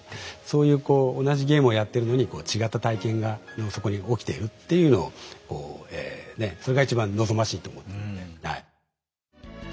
そういうこう同じゲームをやってるのに違った体験がそこに起きているっていうのをこうねっそれが一番望ましいと思ってるんではい。